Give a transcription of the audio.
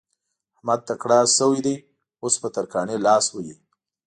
احمد تکړه شوی دی؛ اوس په ترکاڼي لاس وهي.